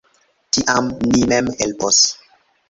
Tiam ni mem helpos!